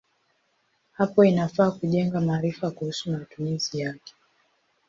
Hapo inafaa kujenga maarifa kuhusu matumizi yake.